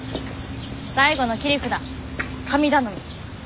最後の切り札神頼み。